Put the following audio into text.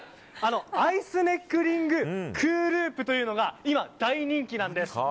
アイスネックリングクーループというのが今、大人気なんです。